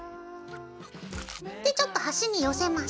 でちょっと端に寄せます。